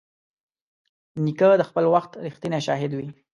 نیکه د خپل وخت رښتینی شاهد وي.